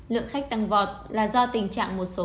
lượng khách tăng vọt là do tình trạng một số cây xăng này